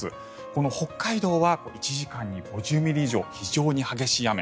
この北海道は１時間に５０ミリ以上の非常に激しい雨。